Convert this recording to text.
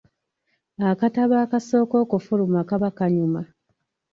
Akatabo akasooka okufuluma kaba kanyuma.